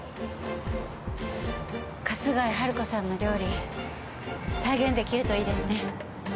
春日井春子さんの料理再現出来るといいですね。